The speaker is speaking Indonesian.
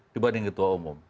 dibanding ketua umum